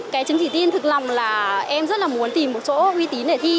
cái chứng chỉ tin thực lòng là em rất là muốn tìm một chỗ uy tín để thi